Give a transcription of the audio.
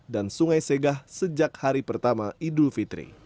dan sungai segah sejak hari pertama idul fitri